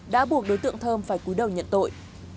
đã buộc đối tượng thơm phải cúi đầu nhận tội